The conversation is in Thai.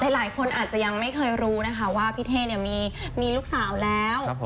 หลายคนอาจจะยังไม่เคยรู้นะคะว่าพี่เท่มีลูกสาวแล้ว